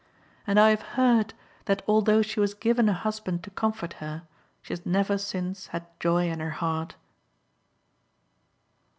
And I have heard that although she was given a husband to comfort her, she has never since had joy in her heart.